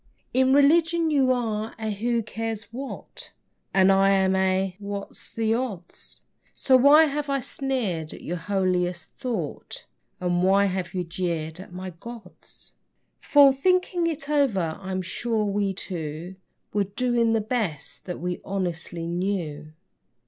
In religion you are a who cares what? And I am a what's the odds? So why have I sneered at your holiest thought, And why have you jeered at my gods? For, thinking it over, I'm sure we two Were doing the best that we honestly knew.